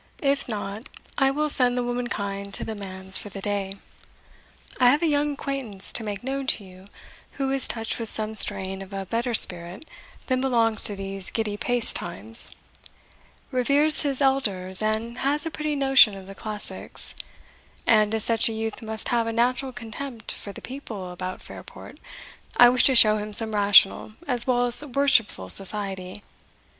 If not, I will send the womankind to the manse for the day. I have a young acquaintance to make known to you, who is touched with some strain of a better spirit than belongs to these giddy paced times reveres his elders, and has a pretty notion of the classics and, as such a youth must have a natural contempt for the people about Fairport, I wish to show him some rational as well as worshipful society.